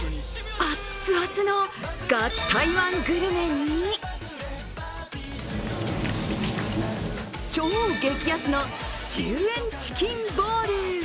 アッツアツのガチ台湾グルメに超激安の１０円チキンボール。